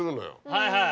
はいはい。